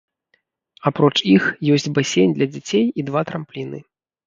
Апроч іх, ёсць басейн для дзяцей і два трампліны.